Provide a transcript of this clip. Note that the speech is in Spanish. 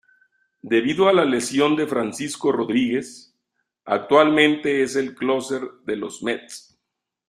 Debido a la lesión de Francisco Rodríguez, actualmente es el closer de los Mets.